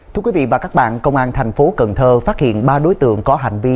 thưa quý vị và các bạn công an thành phố cần thơ phát hiện ba đối tượng có hành vi